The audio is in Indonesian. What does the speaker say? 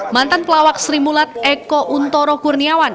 mantan pelawak serimulat eko untoro kurniawan